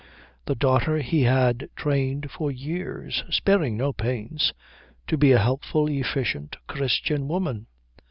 The daughter he had trained for years, sparing no pains, to be a helpful, efficient, Christian woman.